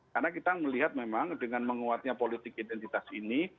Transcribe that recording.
karena kita melihat memang dengan menguatnya politik identitas ini